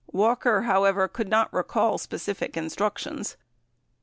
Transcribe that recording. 80 Walker, however, could not recall specific instructions.